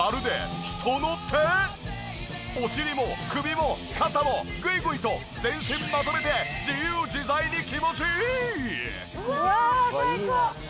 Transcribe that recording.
お尻も首も肩もグイグイと全身まとめて自由自在に気持ちいい！